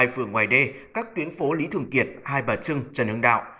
hai phường ngoài đê các tuyến phố lý thường kiệt hai bà trưng trần hưng đạo